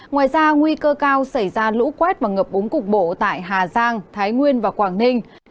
ngoài ra nguy cơ cao xảy ra lũ quét và ngập úng cục bộ tại hà giang thái nguyên và quảng ninh